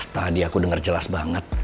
tadi aku dengar jelas banget